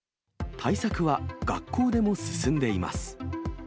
対策は学校でも進んでいます。